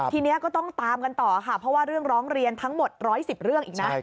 ทีนี้ก็ต้องตามกันต่อค่ะเพราะว่าเรื่องร้องเรียนทั้งหมด๑๑๐เรื่องอีกนะ